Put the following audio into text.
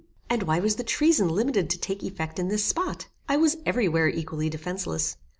And why was the treason limited to take effect in this spot? I was every where equally defenceless.